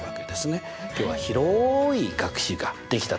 今日は広い学習ができたということですね。